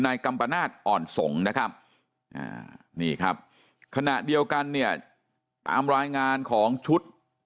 กัมปนาศอ่อนสงนะครับนี่ครับขณะเดียวกันเนี่ยตามรายงานของชุด